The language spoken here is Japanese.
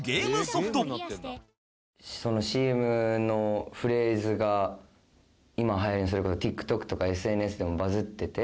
そのＣＭのフレーズが今流行りのそれこそＴｉｋＴｏｋとかＳＮＳでもバズってて。